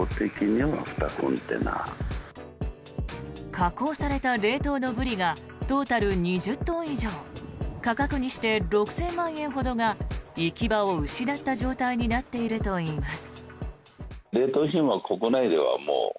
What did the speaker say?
加工された冷凍のブリがトータル２０トン以上価格にして６０００万円ほどが行き場を失った状態になっているといいます。